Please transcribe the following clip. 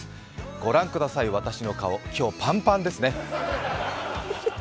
御覧ください、私の顔、今日パンパンですね。